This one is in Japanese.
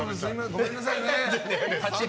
ごめんなさいね。